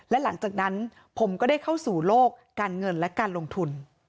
และหลังจากนั้นผมก็ได้เข้าสู่โลกการเงินและการลงทุน